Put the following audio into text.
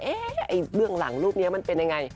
เอ๊ะเรื่องหลังรูปนี้มันเป็นอย่างไร